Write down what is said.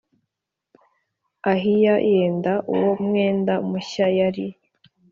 Ahiya yenda uwo mwenda mushya yari